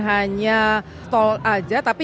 hanya stall aja tapi